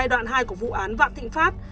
đoạn hai của vụ án vạn thịnh pháp